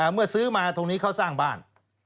เมื่อซื้อมาตรงนี้เขาสร้างบ้าน